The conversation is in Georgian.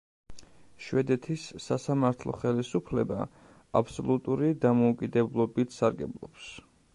შვედეთის სასამართლო ხელისუფლება აბსოლუტური დამოუკიდებლობით სარგებლობს.